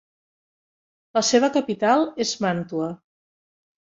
La seva capital és Màntua.